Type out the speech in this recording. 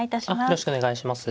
よろしくお願いします。